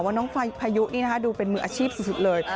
ว่าน้องภายุนี่ดูเป็นมืออาชีพสุดเลย